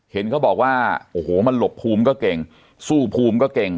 เห็นเขาบอกว่าโอ้โหมันหลบภูมิก็เก่งสู้ภูมิก็เก่ง